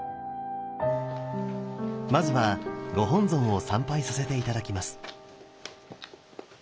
まずはご本尊を参拝させて頂きます。